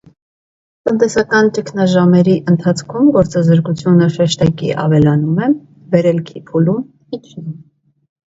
Տնտեսական ճգնաժամերի ընթացքում գործազրկությունը շեշտակի ավելանում է, վերելքի փուլում՝ իջնում։